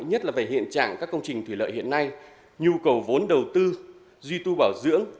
nhất là về hiện trạng các công trình thủy lợi hiện nay nhu cầu vốn đầu tư duy tu bảo dưỡng